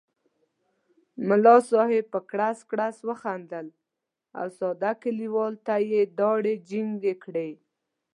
ملا صاحب په کړس کړس وخندل او ساده کلیوال ته یې داړې جینګې کړې.